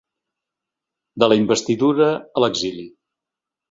De la investidura a l’exili.